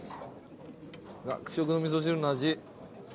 学食の味噌汁の味。